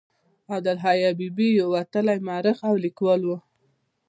عبدالحي حبیبي یو وتلی مورخ او لیکوال و.